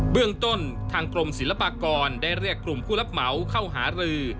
เรื่องต้นทางกรมศิลปากรได้เรียกกลุ่มผู้รับเหมาเข้าหารือ